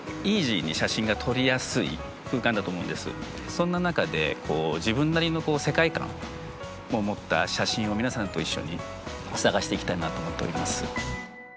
そんな中で自分なりの世界観を持った写真を皆さんと一緒に探していきたいなと思っております。